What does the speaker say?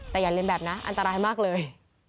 แต่อย่าลืมแบบนะอันตรายมากเลย